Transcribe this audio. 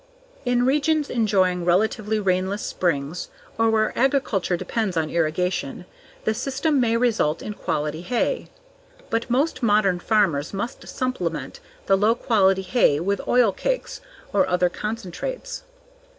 In regions enjoying relatively rainless springs or where agriculture depends on irrigation, this system may result in quality hay. But most modern farmers must supplement the low quality hay with oil cakes or other concentrates.